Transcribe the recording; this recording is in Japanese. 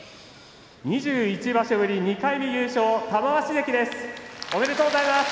２１場所ぶり２回目の優勝玉鷲関です。